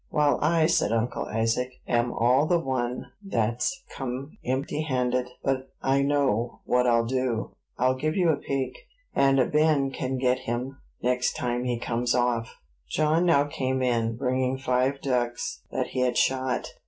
"While I," said Uncle Isaac, "am all the one that's come empty handed; but I know what I'll do; I'll give you a pig, and Ben can get him next time he comes off." John now came in, bringing five ducks, that he had shot.